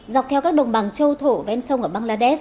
dọc theo các đồng bằng châu âu